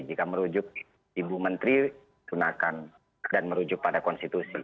jika merujuk ibu menteri gunakan dan merujuk pada konstitusi